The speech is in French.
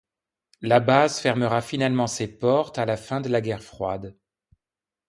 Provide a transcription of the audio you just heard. La base fermera finalement ces portes à la fin de la guerre froide.